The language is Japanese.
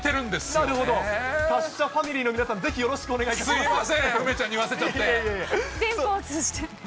なるほど、サッシャファミリーの皆さん、ぜひよろしくお願いいたします。